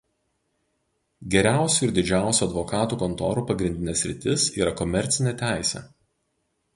Geriausių ir didžiausių advokatų kontorų pagrindinė sritis yra komercinė teisė.